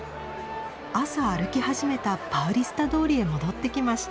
朝歩き始めたパウリスタ通りへ戻ってきました。